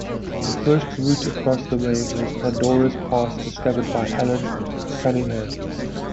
The first route across the range was Pandora's Pass discovered by Allan Cunningham.